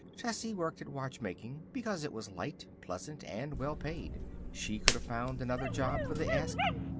Tessie worked at watchmaking because it was light, pleasant, and well paid. She could have found another job for the asking.